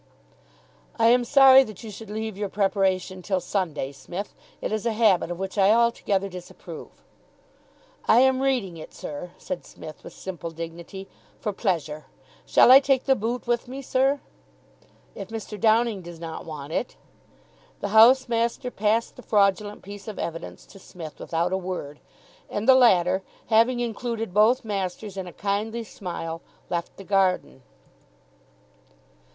"I am sorry that you should leave your preparation till Sunday, Smith. It is a habit of which I altogether disapprove." "I am reading it, sir," said Psmith, with simple dignity, "for pleasure. Shall I take the boot with me, sir?" "If Mr. Downing does not want it?" The housemaster passed the fraudulent piece of evidence to Psmith without a word, and the latter, having included both masters in a kindly smile, left the garden.